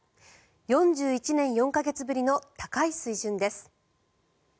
４１年４か月ぶりの高い水準です。